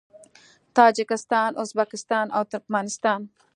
تاجکستان، ازبکستان او ترکمنستان